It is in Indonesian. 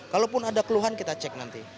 kalaupun ada keluhan kita cek nanti